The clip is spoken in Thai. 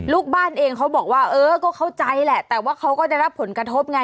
ลูกบ้านเองเขาบอกว่าเออก็เข้าใจแหละแต่ว่าเขาก็ได้รับผลกระทบไง